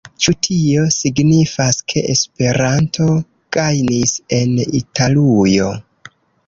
Ĉu tio signifas, ke Esperanto gajnis en Italujo?